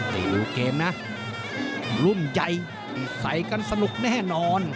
ไปดูเกมนะรุ่นใหญ่ใส่กันสนุกแน่นอน